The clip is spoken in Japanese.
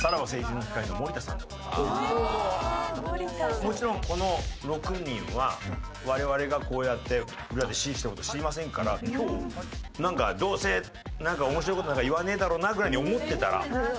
もちろんこの６人は我々がこうやって裏で指示してる事知りませんから今日なんかどうせ面白い事なんか言わねえだろうなぐらいに思ってたら。